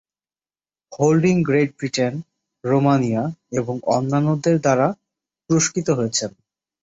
Holding Great Britain, Romania এবং অন্যান্যদের দ্বারা পুরস্কৃত হয়েছেন।